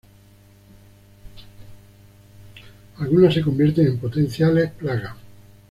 Algunas se convierten en potenciales plagas.